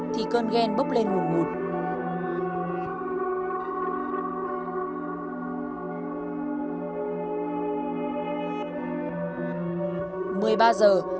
thì cơn ghen bốc lên ngủ ngủ